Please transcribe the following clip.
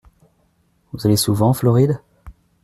Vous allez souvent en Floride ?